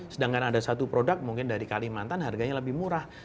sedangkan ada satu produk mungkin dari kalimantan harganya lebih murah